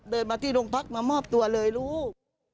เดินมาที่โรงพักมามอบตัวเลยลูก